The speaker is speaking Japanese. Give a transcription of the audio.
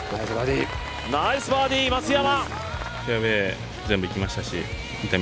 ナイスバーディー、松山。